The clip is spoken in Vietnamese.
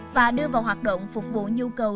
và đưa vào hoạt động phục vụ nhu cầu